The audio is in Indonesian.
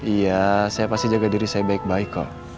iya saya pasti jaga diri saya baik baik kok